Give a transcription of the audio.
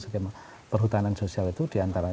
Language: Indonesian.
skema perhutanan sosial itu diantara